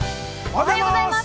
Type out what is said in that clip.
◆おはようございます。